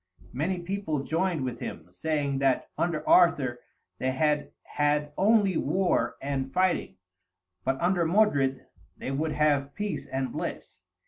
Many people joined with him, saying that under Arthur they had had only war and fighting, but under Modred they would have peace and bliss.